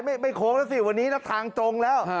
ไม่โค้งสิวันนี้นะทางตรงแล้ว